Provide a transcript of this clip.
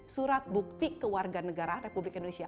surat bukti kewarganegaraan republik indonesia